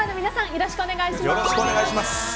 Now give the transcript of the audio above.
よろしくお願いします。